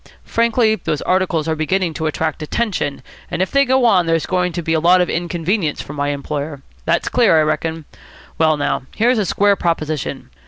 Frankly, those articles are beginning to attract attention, and if they go on there's going to be a lot of inconvenience for my employer. That's clear, I reckon. Well, now, here's a square proposition.